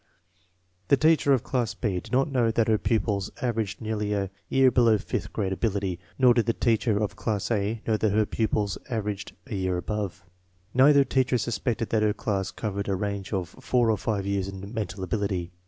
The teacher of class B did not know that her pupils averaged nearly a year below fifth grade ability, nor did the teacher of class A know that her pupils averaged a year above. Neither teacher suspected that her class covered a range of four or five years in mental ability.